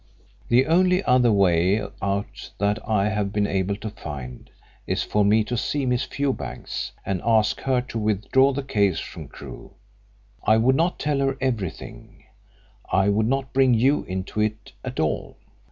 The only other way out that I have been able to find is for me to see Miss Fewbanks and ask her to withdraw the case from Crewe. I would not tell her everything I would not bring you into it at all.